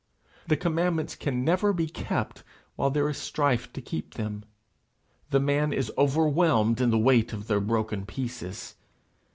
The commandments can never be kept while there is a strife to keep them: the man is overwhelmed in the weight of their broken pieces.